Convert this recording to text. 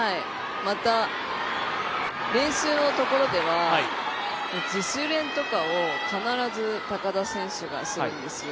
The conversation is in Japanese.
また練習のところでは自主練とかを必ず高田選手がするんですよ。